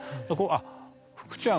「あっ福ちゃんは」。